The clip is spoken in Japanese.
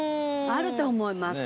あると思います